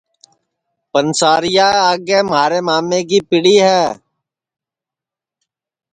پنسارِیا آگے مھارے مامے کی پِڑی ہے